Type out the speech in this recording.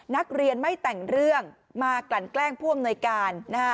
นักเรียนไม่แต่งเรื่องมากลั่นแกล้งผู้อำนวยการ